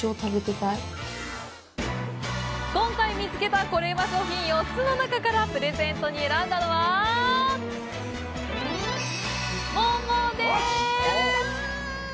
今回見つけたコレうま商品４つの中からプレゼントに選んだのは桃です！